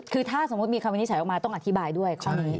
คือถ้ามีคำนี้ถ่ายกรรมมาคุณต้องอธิบายด้วย